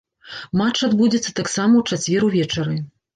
Матч адбудзецца таксама ў чацвер увечары.